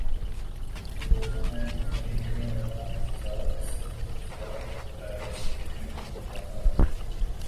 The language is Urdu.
رپورٹوں میں دکھائی دینے والا تضاد صرف روزگار حقائق کی اہمیت بڑھاتا ہے